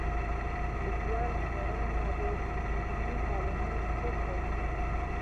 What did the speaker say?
لیکوال حیران دی چې دیني عالمان څه کوي